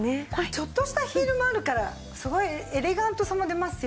ちょっとしたヒールもあるからすごいエレガントさも出ますよね。